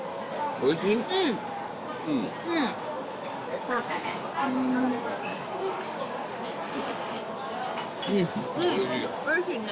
おいしいね。